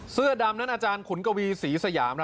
เสื้อดำนั้นอขุนกวีสีสยาม